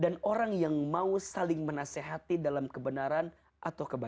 dan orang yang mau saling menasehati dalam kebenaran atau kebenaran